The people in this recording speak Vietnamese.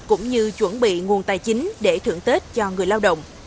cũng như chuẩn bị nguồn tài chính để thưởng tết cho người lao động